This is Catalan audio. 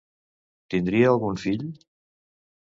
Tindria algun fill?